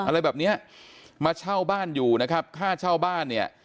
อะไรแบบเนี้ยมาเช่าบ้านอยู่นะครับค่าเช่าบ้านเนี่ย